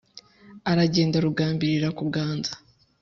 aragenda rugambirira kuganza